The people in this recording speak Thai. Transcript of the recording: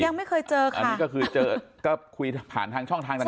ยังไม่เคยเจอกันอันนี้ก็คือเจอก็คุยผ่านทางช่องทางต่าง